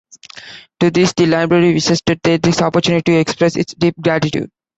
To these the Library wishes to take this opportunity to express its deep gratitude.